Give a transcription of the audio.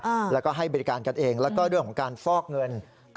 อ่าแล้วก็ให้บริการกันเองแล้วก็เรื่องของการฟอกเงิน